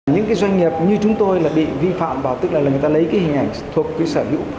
những doanh nghiệp như chúng tôi bị vi phạm tức là người ta lấy hình ảnh thuộc sở hữu